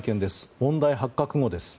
問題発覚後です。